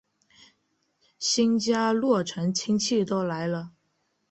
新家落成亲戚都来了